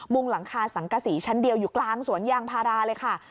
งหลังคาสังกษีชั้นเดียวอยู่กลางสวนยางพาราเลยค่ะ